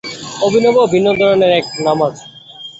অভিনব ও ভিন্ন ধরনের এক নামায।